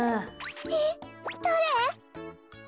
えっだれ？